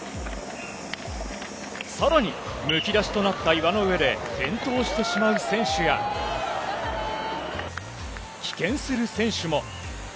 さらに、むき出しとなった岩の上で、転倒してしまう選手や、棄権する選手も。